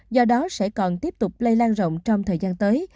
do đó sẽ còn tiếp tục lây lan rộng trong thời gian tới